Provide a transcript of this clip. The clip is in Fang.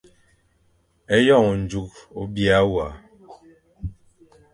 Eyon njuk o biya wa.